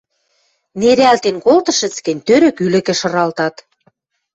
Нерӓлтен колтышыц гӹнь, тӧрӧк ӱлӹкӹ шыралтат.